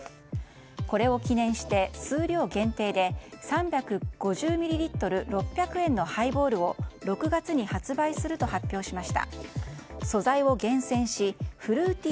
これを記念して数量限定で３５０ミリリットル６００円のハイボールを６月に発売すると発表しました。